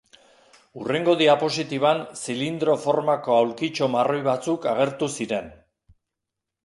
Hurrengo diapositiban zilindro formako aulkitxo marroi batzuk agertu ziren.